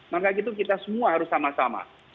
maka gitu kita semua harus sama sama